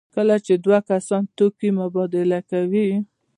کله چې دوه کسان توکي مبادله کوي.